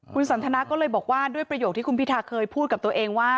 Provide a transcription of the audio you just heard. คุณสันทนาก็เลยบอกว่าด้วยประโยคที่คุณพิทาเคยพูดกับตัวเองว่า